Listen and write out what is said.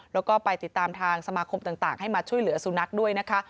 แล้วก็ไปติดตามทางสมาคมต่างให้มาช่วยเหลือสุนัขด้วยนะคะ